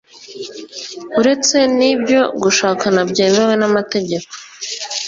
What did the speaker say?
uretse n’ibyo gushakana byemewe n’amategeko,